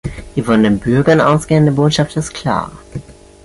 Die von den Bürgern ausgehende Botschaft ist klar.